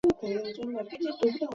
曾担任汉口中国银行行长。